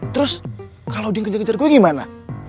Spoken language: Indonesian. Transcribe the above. terus kalau dia ngejar ngejar gue gimana